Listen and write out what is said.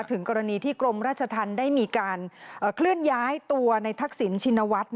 ถึงกรณีที่กรมราชธรรมได้มีการเคลื่อนย้ายตัวในทักษิณชินวัฒน์